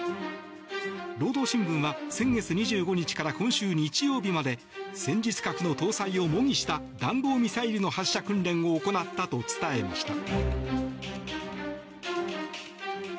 労働新聞は先月２５日から今週日曜日まで戦術核の搭載を模擬した弾道ミサイルの発射訓練を行ったと伝えました。